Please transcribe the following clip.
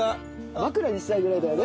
枕にしたいぐらいだよね。